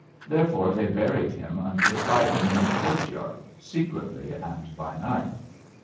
Therefore, they buried him under the flag ging in the courtyard, secretly and by night.